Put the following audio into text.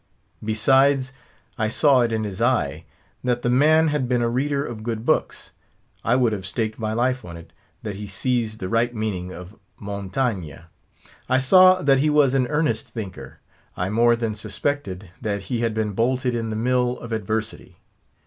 Besides, I saw it in his eye, that the man had been a reader of good books; I would have staked my life on it, that he seized the right meaning of Montaigne. I saw that he was an earnest thinker; I more than suspected that he had been bolted in the mill of adversity.